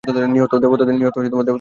নিহত দেবতাদের দেখো।